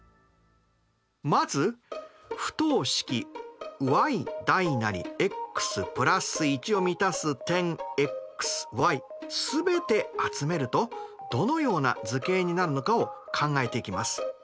まず不等式ｙｘ＋１を満たす点全て集めるとどのような図形になるのかを考えていきます。